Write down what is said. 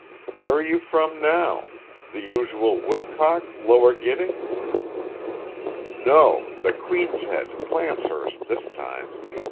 "Where are you from now. The usual Woodcock, Lower Gidding?" "No. The Queen's Head, Clancehurst, this time.